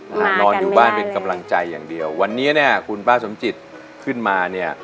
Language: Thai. นอนอยู่บ้านเป็นกำลังใจอย่างเดียววันนี้เนี่ยคุณป้าสมจิตขึ้นมาเนี่ย